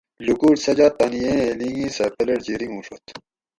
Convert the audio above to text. لوکوٹ سجاد تانی یییں لینگی سہ پلٹجی رِنگوڛت